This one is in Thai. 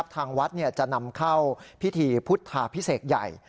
ทางวัดจะนำเข้าพิธีพุทธาพิเศษใหญ่